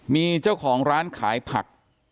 มีเจ้าของร้านขายผัก